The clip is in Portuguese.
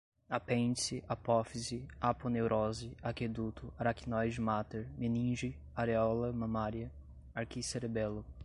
apêndice, apófise, aponeurose, aqueduto, aracnoide-máter, meninge, aréola mamária, arquicerebelo